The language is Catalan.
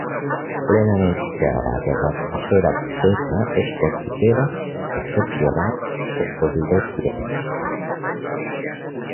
Plenament integrat en l'atmosfera portenya, es considera un excepcional compositor crioll.